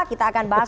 kita akan bahas